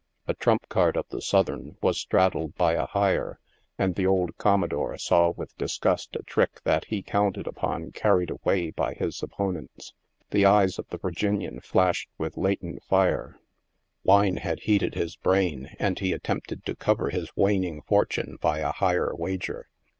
A trump card of the Southern was straddled by a higher, and the old commodore saw with dis gust a trick that he counted upon carried off by his opponents. The eyes of the Virginian flashed with latent fire, wine had heated his brain and he attempted to cover his waning fortune by a higher wager.